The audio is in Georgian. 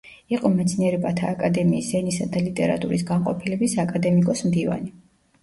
იყო მეცნიერებათა აკადემიის ენისა და ლიტერატურის განყოფილების აკადემიკოს-მდივანი.